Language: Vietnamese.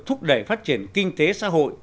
thúc đẩy phát triển kinh tế xã hội